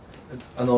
あの。